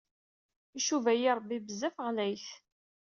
Icuba-ayi Ṛebbi bezzaf ɣlayet.